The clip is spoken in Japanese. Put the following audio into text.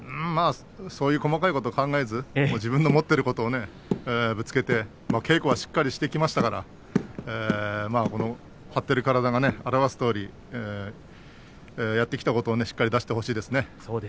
そういう細かいことは考えず、自分の持っていることをぶつけて稽古はしっかりとしてきましたから張っている体が表すとおりやってきたことをしっかり出してほしいですね。